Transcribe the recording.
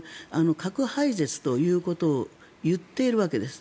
核廃絶ということを言っているわけです。